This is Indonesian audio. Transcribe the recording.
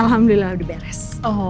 alhamdulillah udah beres